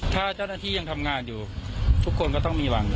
ถ้าเจ้าหน้าที่ยังทำงานอยู่ทุกคนก็ต้องมีหวัง